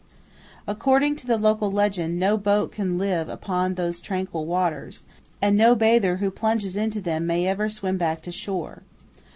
According to the local legend, no boat can live upon those tranquil waters, and no bather who plunges into them may ever swim back to shore.